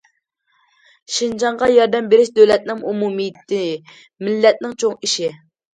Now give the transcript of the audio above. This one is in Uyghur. شىنجاڭغا ياردەم بېرىش دۆلەتنىڭ ئومۇمىيىتى، مىللەتنىڭ چوڭ ئىشى.